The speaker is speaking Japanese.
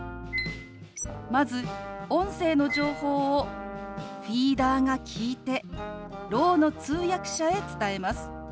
まず音声の情報をフィーダーが聞いてろうの通訳者へ伝えます。